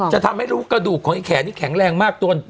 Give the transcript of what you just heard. จะทำให้รูขนาดของแขนแข็งแรงมากตัวน